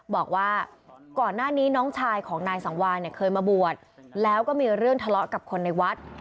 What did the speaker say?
บอกว่าก่อนหน้านี้น้องชายของนายสังวานเนี่ยเคยมาบวชแล้วก็มีเรื่องทะเลาะกับคนในวัด